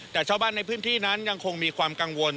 แต่ชาวบ้านในพื้นที่นั้นยังคงมีความกังวล